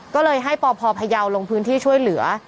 ก็เลยให้ปพพยาวลงพื้นที่ช่วยเหลือ